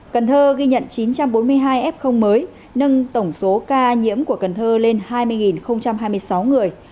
cần thơ ghi nhận chín trăm bốn mươi hai f mới nâng tổng số ca nhiễm của cần thơ lên hai mươi hai mươi sáu người